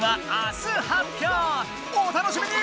お楽しみに！